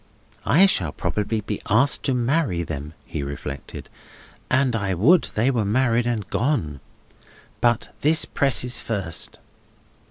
"I shall probably be asked to marry them," he reflected, "and I would they were married and gone! But this presses first."